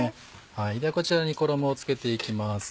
ではこちらに衣を付けていきます。